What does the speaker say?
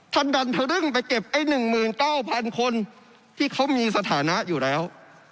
ท่านดันทะลึ่งไปเก็บไอ้๑๙๐๐คนที่เขามีสถานะอยู่แล้ว